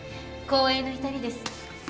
光栄の至りです。